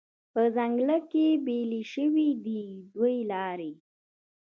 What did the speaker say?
په ځنګله کې بیلې شوې دي دوې لارې